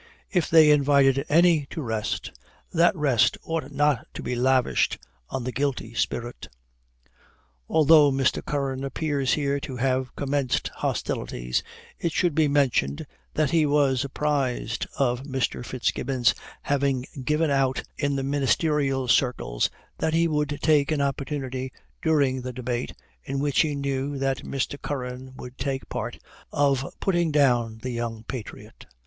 If they invited any to rest, that rest ought not to be lavished on the guilty spirit." Although Mr. Curran appears here to have commenced hostilities, it should be mentioned, that he was apprised of Mr. Fitzgibbon's having given out in the ministerial circles that he would take an opportunity during the debate, in which he knew that Mr. Curran would take a part, of putting down the young patriot.